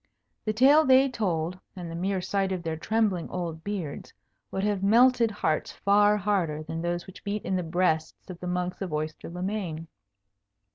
The tale they told, and the mere sight of their trembling old beards, would have melted hearts far harder than those which beat in the breasts of the monks of Oyster le Main.